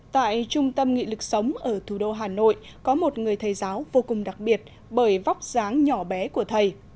tại trung tâm nghị lực sống ở thủ đô hà nội có một người thầy giáo vô cùng đặc biệt bởi vóc dáng nhỏ bé của thầy